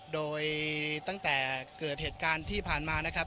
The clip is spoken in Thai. โดยตั้งแต่เกิดเหตุการณ์ที่ผ่านมานะครับ